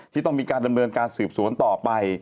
ที่ต้องมีการดำเนินการสืบสวนต่อไป